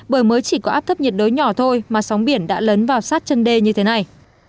bởi mới chỉ có áp thấp nhiệt đới nhỏ thôi mà sóng biển đã lấn vào sát chân đê như thế này